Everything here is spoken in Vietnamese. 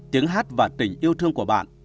tiếng hát và tình yêu thương của bạn